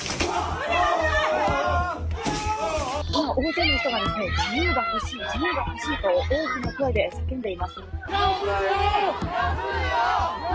大勢の人が、自由が欲しい、自由が欲しいと、大きな声で叫んでいます。